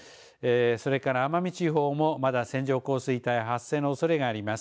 それから奄美地方もまだ線状降水帯発生のおそれがあります。